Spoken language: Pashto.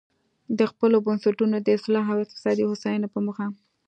د خپلو بنسټونو د اصلاح او اقتصادي هوساینې په موخه.